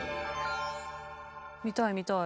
「見たい見たい。